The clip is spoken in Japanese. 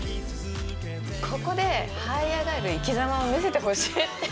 ここではい上がる生きざまを見せてほしいって。